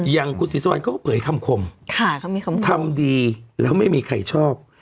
อย่างคุณศรีสุวรรณเขาก็เผยคำคมทำดีแล้วไม่มีใครชอบ